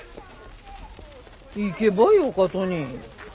行けばよかとに。